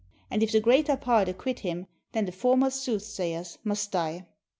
And if the greater part acquit him, then the former soothsayers must die.